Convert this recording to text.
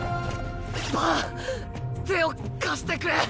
バン手を貸してくれ。